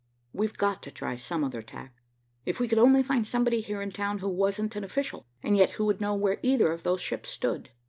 "We've got to try some other tack. If we could only find somebody here in town who wasn't an official, and yet who would know where either of those ships stood.